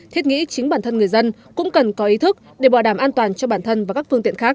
thiết nghĩ chính bản thân người dân cũng cần có ý thức để bảo đảm an toàn cho bản thân và các phương tiện khác